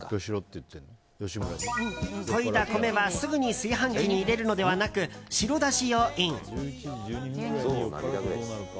といだ米はすぐに炊飯器に入れるのではなく白だしをイン。